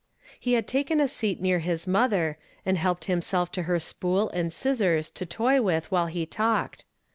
He had taken a seat near his mother, and helped himself to her spool and scissors to toy with while he talked.